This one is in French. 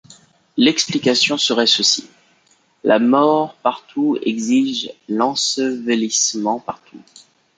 L’explication serait ceci : la mort partout exige l’ensevelissement partout.